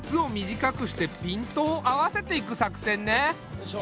よいしょ。